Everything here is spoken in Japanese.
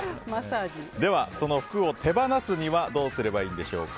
その服を手放すにはどうすればいいんでしょうか。